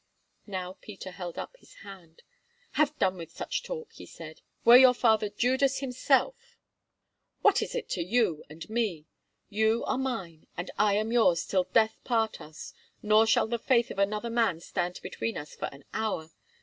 Now Peter held up his hand. "Have done with such talk," he said. "Were your father Judas himself, what is that to you and me? You are mine and I am yours till death part us, nor shall the faith of another man stand between us for an hour.